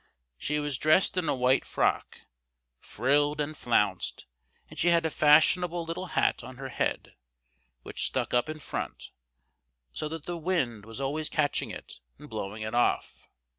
She was dressed in a white frock, frilled and flounced, and she had a fashionable little hat on her head, which stuck up in front, so that the wind was always catching it and blowing it off.